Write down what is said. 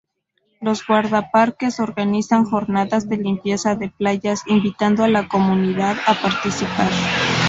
Los guardaparques organizan jornadas de limpieza de playas invitando a la comunidad a participar.